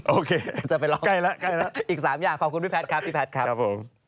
โอเคใกล้แล้วใกล้แล้วจะไปลองอีก๓อย่างขอบคุณพี่แพทย์ครับพี่แพทย์ครับครับผม